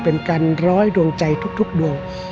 เป็นการร้อยดวงใจทุกดวง